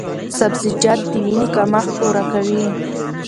سبزیجات د وینې کمښت پوره کوي۔